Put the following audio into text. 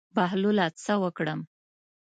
بهلوله څه وکړم.